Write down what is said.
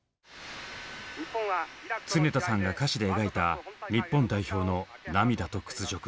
常田さんが歌詞で描いた日本代表の涙と屈辱。